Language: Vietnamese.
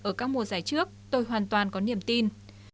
ở các mùa giải trước tôi hoàn toàn có niềm tin